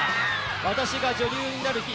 『私が女優になる日＿』